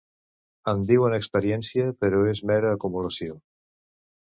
En diuen experiència, però és mera acumulació.